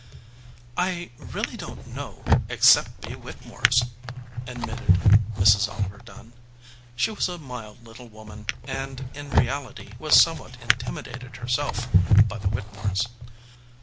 "I really don t know, except be Whittemores," admitted Mrs. Oliver Dunn. She was a mild little woman, and in reality was somewhat intimidated herself by the Whittemores.